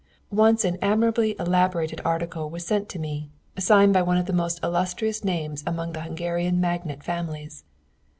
Once an admirably elaborated article was sent to me, signed by one of the most illustrious names among the Hungarian magnate families.